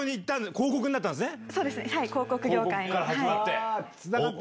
広告から始まって。